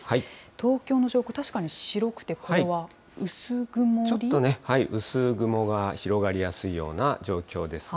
東京の上空、ちょっとね、薄雲が広がりやすいような状況ですが。